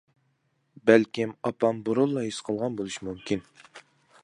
بەلكىم ئاپام بۇرۇنلا ھېس قىلغان بولۇشى مۇمكىن.